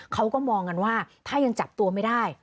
เขาก็มองกันว่าถ้ายังจับตัวไม่ได้